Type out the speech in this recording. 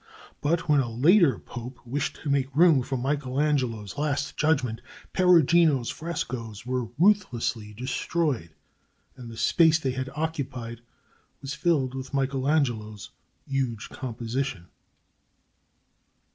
But when a later pope wished to make room for Michelangelo's "Last Judgment" Perugino's frescos were ruthlessly destroyed and the space they had occupied was filled with Michelangelo's huge composition.